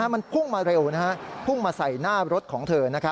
มันพุ่งมาเร็วพุ่งมาใส่หน้ารถของเธอ